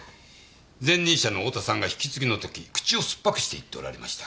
前任者の太田さんが引継ぎの時口をすっぱくして言っておられました。